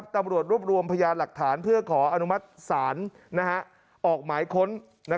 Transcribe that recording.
ตำรวจรวบรวมพยานหลักฐานเพื่อขออนุมัติศาลออกหมายค้น